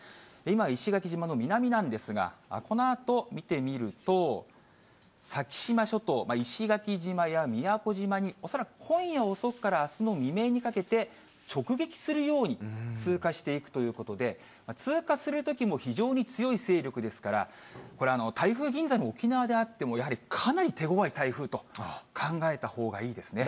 今、石垣島の南なんですが、このあと見てみると、先島諸島、石垣島や宮古島に、恐らく今夜遅くからあすの未明にかけて、直撃するように通過していくということで、通過するときも非常に強い勢力ですから、これ、台風銀座の沖縄であっても、やはりかなり手ごわい台風と考えたほうがいいですね。